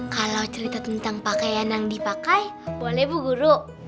kalau cerita tentang pakaian yang dipakai boleh bu guru